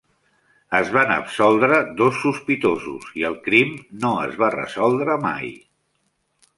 Es van absoldre dos sospitosos, i el crim no es va resoldre mai.